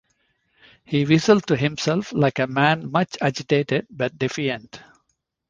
He whistled to himself like a man much agitated but defiant.